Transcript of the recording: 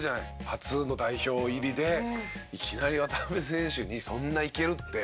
初の代表入りでいきなり渡邊選手にそんないけるって。